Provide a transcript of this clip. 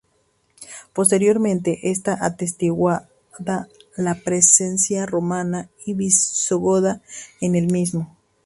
Posteriormente está atestiguada la presencia romana y visigoda en el mismo.